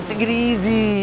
tidak ada masalah